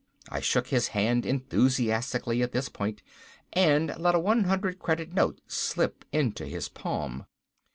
I shook his hand enthusiastically at this point and let a one hundred credit note slip into his palm.